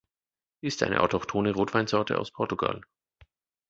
Ist eine autochthone Rotweinsorte aus Portugal.